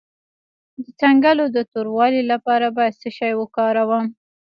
د څنګلو د توروالي لپاره باید څه شی وکاروم؟